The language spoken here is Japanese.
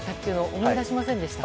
思い出しませんでした？